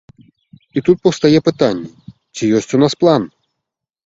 І тут паўстае пытанне, ці ёсць у нас план?